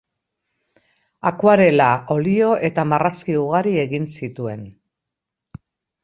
Akuarela, olio eta marrazki ugari egin zituen.